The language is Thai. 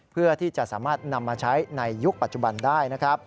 เพื่อที่จะสามารถนำมาใช้ในยุคปัจจุบันได้นะครับ